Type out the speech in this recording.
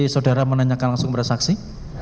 saudara menanyakan langsung kepada saksi